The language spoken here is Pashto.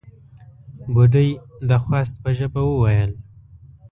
بوډۍ د خواست په ژبه وويل: